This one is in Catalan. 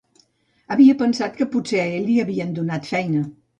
Havia pensat que potser a ell li havien donat feina.